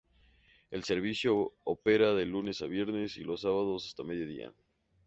El servicio opera de lunes a viernes y los sábados hasta medio día.